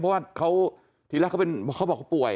เพราะว่าเขาทีแรกเขาบอกเขาป่วย